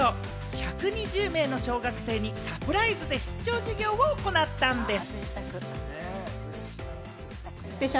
１２０名の小学生にサプライズで出張授業を行ったんです。